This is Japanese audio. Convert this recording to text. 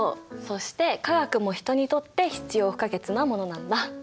そして化学も人にとって必要不可欠なものなんだ。